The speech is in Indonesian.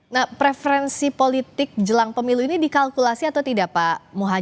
nah preferensi politik jelang pemilu ini dikalkulasi atau tidak pak muhajir